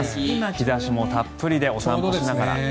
日差しもたっぷりでお散歩しながら。